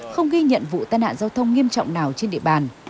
không ghi nhận vụ tai nạn giao thông nghiêm trọng nào trên địa bàn